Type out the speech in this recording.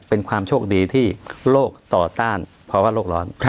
เป็นความโชคดีที่โรคต่อต้านภาวะโลกร้อน